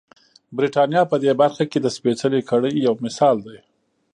برېټانیا په دې برخه کې د سپېڅلې کړۍ یو مثال دی.